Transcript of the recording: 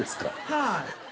はい。